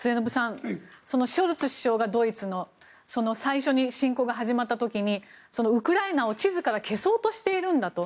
ドイツのショルツ首相が最初に侵攻が始まった時にウクライナを地図から消そうとしているんだと。